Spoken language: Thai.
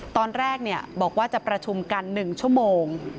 ตอนแรกบอกว่าจะประชุมกัน๑ชั่วโมง